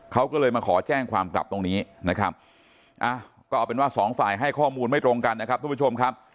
เขาก็เลยมาขอแจ้งความกลับตรงนี้นะครับก็เอาเป็นว่าสองฝ่ายให้ข้อมูลไม่ตรงกันนะครับทุกผู้ชมครับ